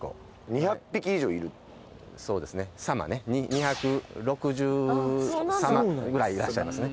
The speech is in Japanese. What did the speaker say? ２６０様ぐらいいらっしゃいますね